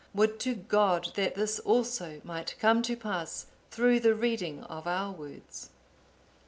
Would to God that this also might come to pass through the reading of our words!